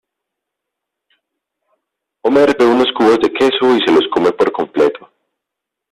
Homer ve unos cubos de queso y se los come por completo.